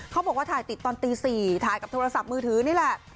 เขาบอกว่าถ่ายติดตอนตี๔ถ่ายกับโทรศัพท์มือถือนี่แหละ